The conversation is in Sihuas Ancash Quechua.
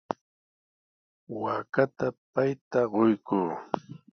Waakata payta quykuu.